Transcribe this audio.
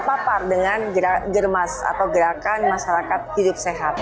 saya tak sabar dengan germas atau gerakan masyarakat hidup sehat